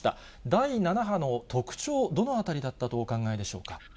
第７波の特徴、どの当たりだったとお考えでしょうか。